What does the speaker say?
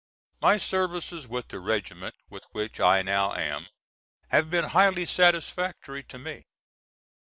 My services with the regiment with which I now am have been highly satisfactory to me.